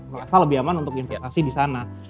merasa lebih aman untuk investasi di sana